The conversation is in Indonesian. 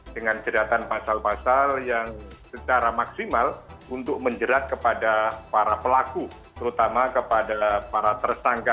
dengan jeratan pasal pasal yang secara maksimal untuk menjerat kepada para pelaku terutama kepada para tersangka